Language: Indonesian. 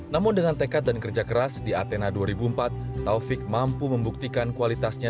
namun dengan tekad dan kerja keras di atena dua ribu empat taufik mampu membuktikan kualitasnya